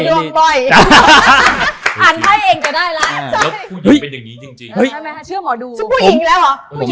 แล้วผู้หญิงเป็นอย่างนี้จริง